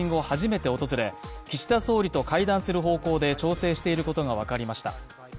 初めて日本を訪れ、岸田総理と会談する方向で調整していることが分かりました。